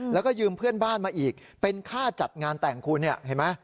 แล้วก็ยืมเพื่อนบ้านมาอีกเป็นค่าจัดงานแต่งคุณเนี่ยเห็นไหม